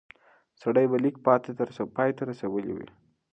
سړی به لیک پای ته رسولی وي.